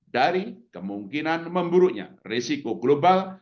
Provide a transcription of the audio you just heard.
dari kemungkinan memburuknya risiko global